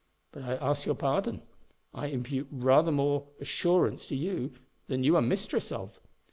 but I ask your pardon; I impute rather more assurance to you than you are mistress of.